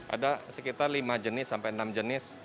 ada sekitar lima jenis sampai enam jenis